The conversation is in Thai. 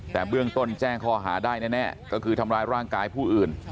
แต่เบื้องต้นแจ้งข้อหาได้แน่ก็คือทำร้ายร่างกายผู้อื่น